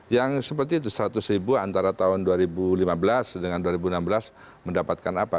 yang seperti itu seratus ribu antara tahun dua ribu lima belas dengan dua ribu enam belas mendapatkan apa